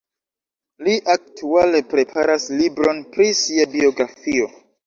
Li aktuale preparas libron pri sia biografio.